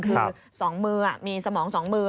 คือสองมือมีสมองสองมือ